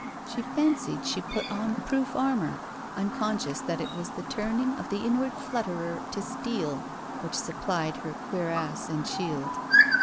She fancied she had put on proof armour, unconscious that it was the turning of the inward flutterer to steel, which supplied her cuirass and shield.